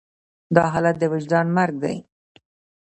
دا حالت د وجدان مرګ دی.